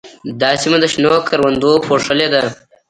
دا سیمه د شنو کروندو پوښلې ده.